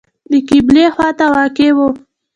د قبلې خواته واقع و.